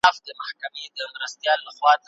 هغه په کمپيوټر کي ډيزاين کوي.